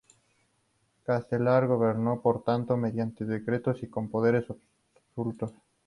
Castelar gobernó, por tanto, mediante decreto y con poderes absolutos.